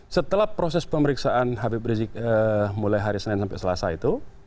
setelah proses pemeriksaan habib rizik mulai hari senin sampai selasa itu